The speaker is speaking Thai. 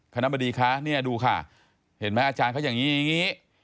คณะบดีคะเนี่ยดูค่ะเห็นไหมอาจารย์เขาอย่างนี้อย่างนี้